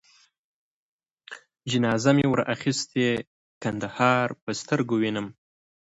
• جنازه مي ور اخیستې کندهار په سترګو وینم ,